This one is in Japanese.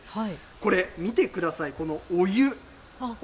これ、見てください、このお湯。